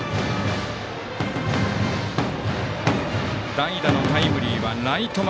代打のタイムリーはライト前。